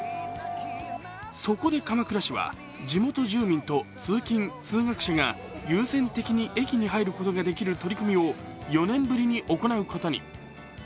そこで鎌倉市は地元住民と通勤・通学者が優先的に駅に入ることができる取り組みを４年ぶりに行うことに。